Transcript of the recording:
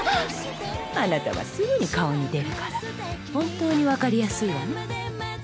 あなたはすぐに顔に出るから本当に分かりやすいわね。